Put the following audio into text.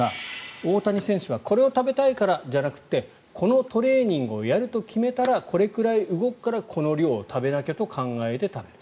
大谷選手はこれを食べたいからじゃなくてこのトレーニングをやると決めたらこれくらい動くからこの量を食べなきゃと考えて食べる。